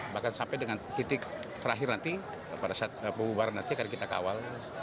bahkan sampai dengan titik terakhir nanti pada saat pembubaran nanti akan kita kawal